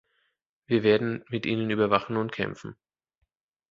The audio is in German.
Wir werden mit Ihnen überwachen und kämpfen.